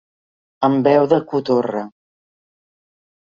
Amb veu de cotorra.